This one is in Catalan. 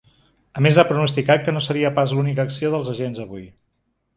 A més ha pronosticat que no seria pas l’única acció dels agents avui.